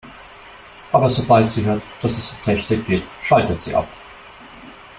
Aber sobald sie hört, dass es um Technik geht, schaltet sie ab.